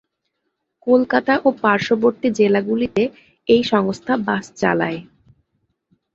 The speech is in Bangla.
কলকাতা ও পার্শ্ববর্তী জেলাগুলিতে এই সংস্থা বাস চালায়।